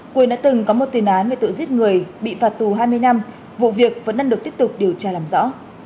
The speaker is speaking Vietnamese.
quyền đã từng có một tiền án về tội giết người bị phạt tù hai mươi năm vụ việc vẫn đang được tiếp tục điều tra làm rõ